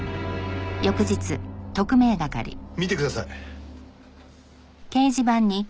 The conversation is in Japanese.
見てください。